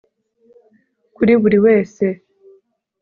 Kuri buri wese